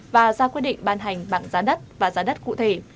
và ra quyết định ban hành bảng giá đất và giá đất cụ thể